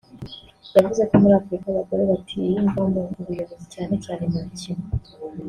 yavuze ko muri Afurika abagore batiyumvamo ubuyobozi cyane cyane mu mikino